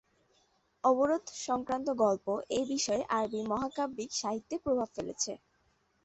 অবরোধ সংক্রান্ত গল্প এ বিষয়ে আরবি মহাকাব্যিক সাহিত্যে প্রভাব ফেলেছে।